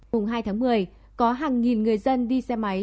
mùng hai tháng một mươi có hàng nghìn người dân đi xe máy